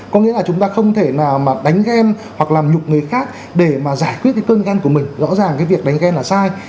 có nghĩa là chúng ta không thể nào mà đánh gen hoặc làm nhục người khác để mà giải quyết cái cơn gen của mình rõ ràng cái việc đánh gen là sai